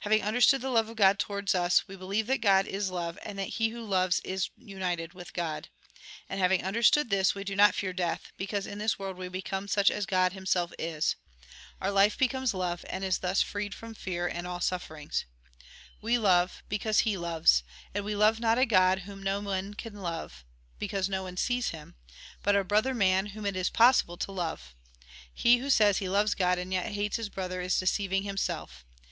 Having understood the love of God towards us, we believe that God is love, and that he who loves is united with God. And having understood this, we do not fear death, because in this world we become such as God Himself is. Our Hfe becomes love, and is thus freed from fear and all sufferings. 1 Jn. iii. 20. 21. A SUMMARY 165 1 Jn. iv. 19. 20. 21. V. 3. 14. 18. We love, because He loves. And we love not a God whom no one can love, because no one sees Him, but our brother man, whom it is possible to love. He who says he loves God, and yet hates his brother, is deceiving himself.